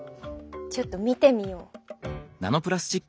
ちょっと見てみよう。